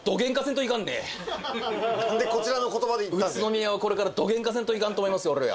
何でこちらの言葉で言ったんだ宇都宮はこれからどげんかせんといかんと思います